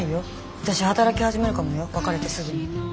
私働き始めるかもよ別れてすぐに。